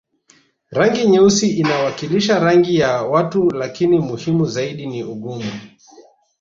Rangi nyeusi inawakilisha rangi ya watu lakini muhimu zaidi ni ugumu